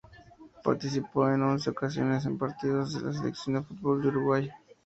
Participó en once ocasiones en partidos de la Selección de fútbol de Uruguay.